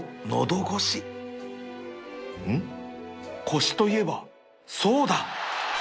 「こし」といえばそうだ！